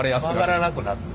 曲がらなくなって。